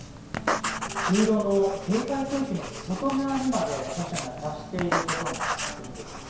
黄色の警戒区域の外側にまで土砂が達していることが確認できます。